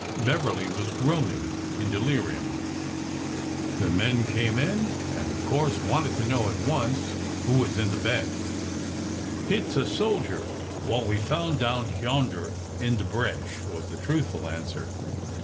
Beverly was groaning in de lirium. 3H ORDER NO. 11 The men came in and, of course, wanted to know at once who was in the bed. Hit 's a soldier wha' we found down hyarnder in de bresh," was the truthful answer.